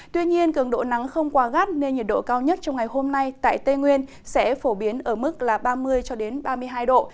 tuy nhiên cường độ nắng không quá gắt nên nhiệt độ cao nhất trong ngày hôm nay tại tây nguyên sẽ phổ biến ở mức ba mươi ba mươi hai độ